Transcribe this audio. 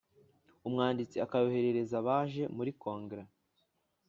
Umwanditsi akayoherereza abaje muri Kongere